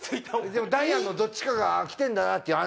でもダイアンのどっちかが来てんだなっていう安心感がね。